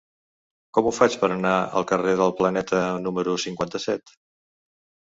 Com ho faig per anar al carrer del Planeta número cinquanta-set?